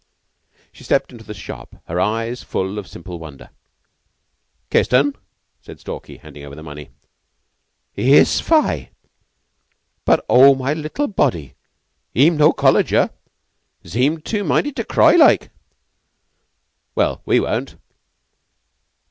She stepped into the shop, her eyes full of simple wonder. "Kissed 'un?" said Stalky, handing over the money. "Iss, fai! But, oh, my little body, he'm no Colleger. 'Zeemed tu minded to cry, like." "Well, we won't.